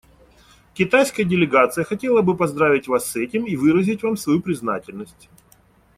Китайская делегация хотела бы поздравить Вас с этим и выразить Вам свою признательность.